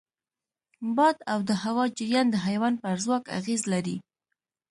باد او د هوا جریان د حیوان پر ځواک اغېز لري.